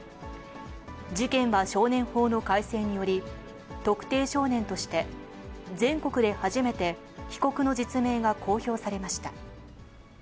事件は少年法の改正により、特定少年として全国で初めて被告の実名が公表されました。